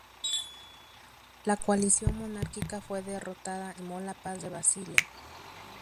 La coalición monárquica fue derrotada y se firmó la Paz de Basilea.